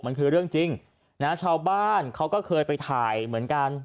มันคือเรื่องจริงนะชาวบ้านเขาก็เคยไปถ่ายเหมือนกัน